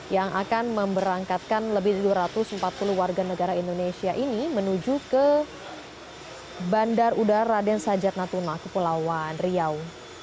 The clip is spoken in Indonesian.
yang akan memberangkatkan lebih dari dua ratus empat puluh warga negara indonesia ini menuju ke bandar udara raden sajat natuna kepulauan riau